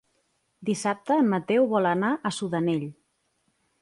Dissabte en Mateu vol anar a Sudanell.